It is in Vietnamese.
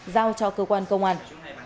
giao cho cơ quan công an